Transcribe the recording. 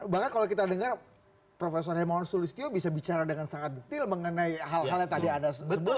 bahkan kalau kita dengar prof hemawan sulistyo bisa bicara dengan sangat detail mengenai hal hal yang tadi anda sebutkan